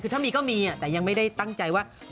คือถ้ามีก็มีแต่ยังไม่ได้ตั้งใจว่า